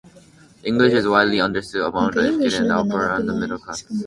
English is widely understood among the educated and the upper and middle classes.